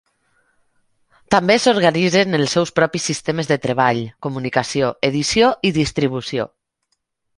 També s'organitzen els seus propis sistemes de treball, comunicació, edició i distribució.